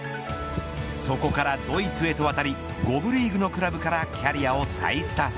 そこからドイツへと渡り５部リーグのクラブからキャリアを再スタート。